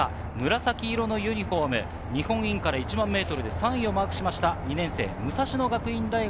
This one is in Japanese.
紫色のユニホーム、日本インカレ１００００ｍ、３位の武蔵野学院大学